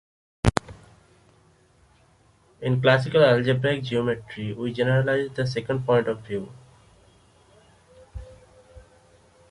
In classical algebraic geometry, we generalize the second point of view.